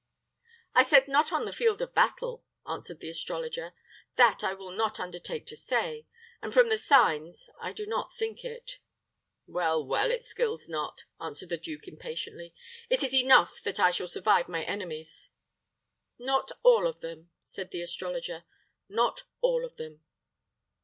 "I said not on the field of battle," answered the astrologer. "That I will not undertake to say, and from the signs I do not think it." "Well, well, it skills not," answered the duke, impatiently. "It is enough that I shall survive my enemies." "Not all of them," said the astrologer; "not all of them."